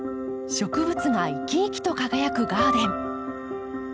植物が生き生きと輝くガーデン。